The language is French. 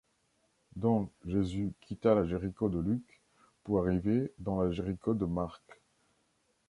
Donc Jésus quitta la Jéricho de Luc pour arriver dans la Jéricho de Marc.